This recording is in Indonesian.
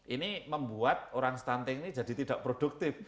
ini membuat orang stunting ini jadi tidak produktif